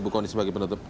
bu kondis sebagai penutup